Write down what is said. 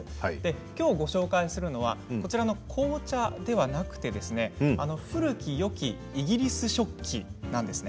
きょうご紹介するのは紅茶ではなく古きよきイギリス食器です。